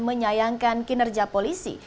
menyayangkan kinerja polisi